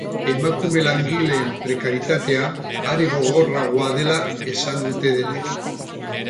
Emakume langileen prekarietatea are gogorragoa dela esan dute denek.